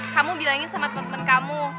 kamu bilangin sama temen temen kamu